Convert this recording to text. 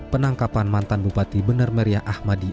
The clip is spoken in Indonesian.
penangkapan mantan bupati benar meriah ahmadiyah